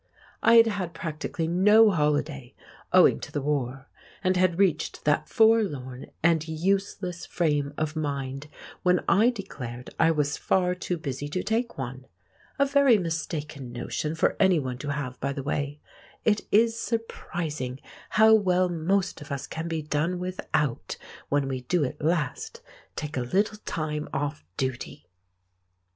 I had had practically no holiday owing to the war, and had reached that forlorn and useless frame of mind when I declared I was far too busy to take one—a very mistaken notion for anyone to have, by the way; it is surprising how well most of us can be done without when we do at last take a little time off duty!